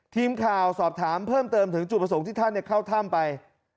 ทีมข่าวสอบถามเพิ่มเติมถึงจุดประสงค์ที่ท่านเข้าถ้ำไป